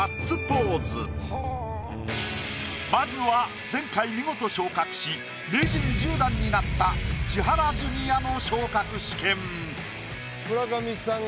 まずは前回見事昇格し名人１０段になった千原ジュニアの昇格試験。